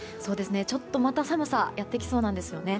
また寒さやってきそうなんですよね。